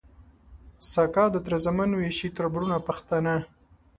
سکه د تره زامن وي شي تــربـــرونـه پښتانه